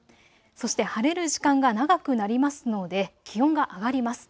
そして晴れる時間が長くなりますので気温が上がります。